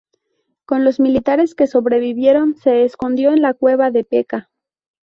Con los militares que sobrevivieron se escondió en la cueva de Peca.